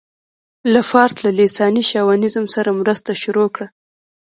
له فارس له لېساني شاونيزم سره مرسته شروع کړه.